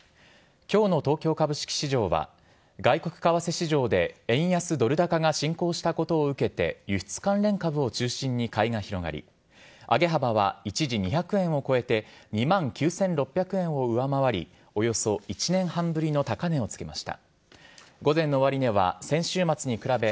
きょうの東京株式市場は、外国為替市場で円安ドル高が進行したことを受けて、輸出関連株を中心に買いが広がり、上げ幅は一時２００円を超えて、２万９６００円を上回り、およそ１年半ぶりの高値をつけました。